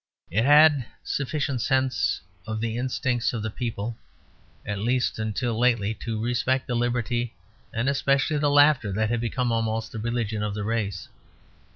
It had sufficient sense of the instincts of the people, at least until lately, to respect the liberty and especially the laughter that had become almost the religion of the race.